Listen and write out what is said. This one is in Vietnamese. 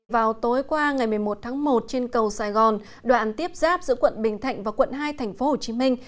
vào tối qua ngày một mươi một tháng một trên cầu sài gòn đoạn tiếp giáp giữa quận bình thạnh và quận hai thành phố hồ chí minh